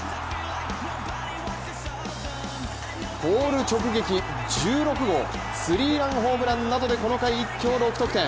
ポール直撃、１６号スリーランホームランなどでこの回一挙６得点。